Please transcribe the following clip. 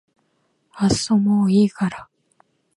あっそもういいから